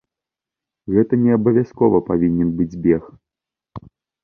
Гэта не абавязкова павінен быць бег.